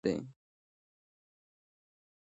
جلګه د افغانستان د ځایي اقتصادونو بنسټ دی.